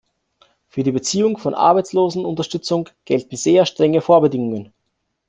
Für die Beziehung von Arbeitslosenunterstützung gelten sehr strenge Vorbedingungen.